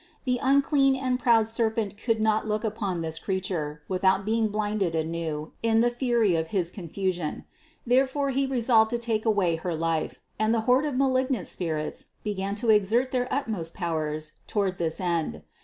The unclean and proud serpent could not look upon this Creature without being blinded anew in the fury of his confusion ; therefore he resolved to take away her life, and the horde of malignant spirits began to exert their utmost powers toward this end.